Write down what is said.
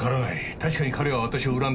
確かに彼は私を恨んでる。